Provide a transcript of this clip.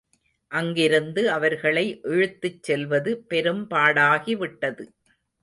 அங்கிருந்து அவர்களை இழுத்துச் செல்வது பெரும் பாடாகிவிட்டது.